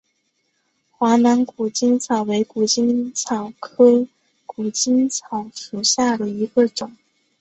华南谷精草为谷精草科谷精草属下的一个种。